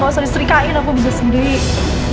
gak usah diserikain aku bisa sendiri